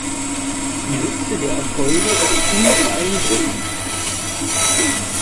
Die Liste der Erfolge ist ziemlich beeindruckend.